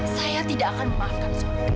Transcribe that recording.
saya tidak akan memaafkan suami